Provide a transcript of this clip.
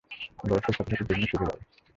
বয়সের সাথে সাথে তুমিও শিখে যাবে।